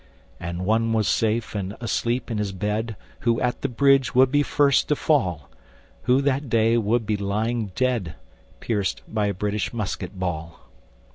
And one was safe and asleep in his bed Who at the bridge would be first to fall, Who that day would be lying dead, Pierced by a British musket ball.